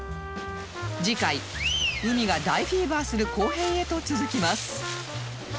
次回海が大フィーバーする後編へと続きます